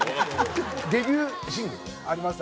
デビューシングル。ありましたね。